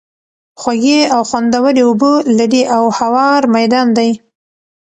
خوږې او خوندوَري اوبه لري، او هوار ميدان دی